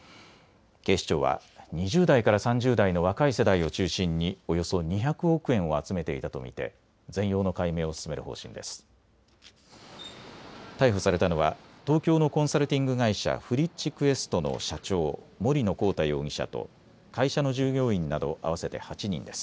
警視庁は２０代から３０代の若い世代を中心におよそ２００億円を集めていたと見て全容の解明を進める方針です。